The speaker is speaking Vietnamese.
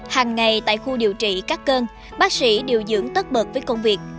hàng ngày tại khu điều trị cát cơn bác sĩ điều dưỡng tất bực với công việc